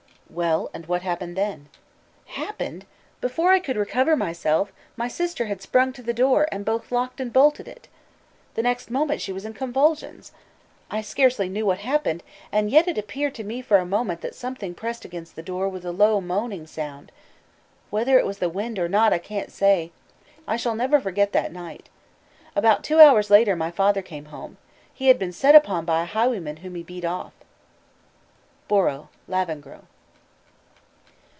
"Well, and what happened then?" "Happened! before I could recover myself, my sister had sprung to the door, and both locked and bolted it. The next moment she was in convulsions. I scarcely knew what happened; and yet it appeared to me for a moment that something pressed against the door with a low moaning sound. Whether it was the wind or not, I can't say. I shall never forget that night. About two hours later, my father came home. He had been set upon by a highwayman whom he beat off." BORROW: _Lavengro.